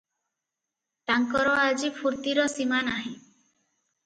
ତାଙ୍କର ଆଜି ଫୁର୍ତ୍ତିର ସୀମାନାହିଁ ।